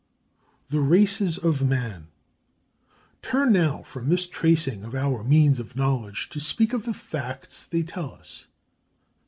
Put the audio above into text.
THE RACES OF MAN Turn now from this tracing of our means of knowledge, to speak of the facts they tell us.